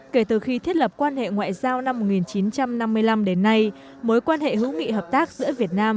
kể từ khi thiết lập quan hệ ngoại giao năm một nghìn chín trăm năm mươi năm đến nay mối quan hệ hữu nghị hợp tác giữa việt nam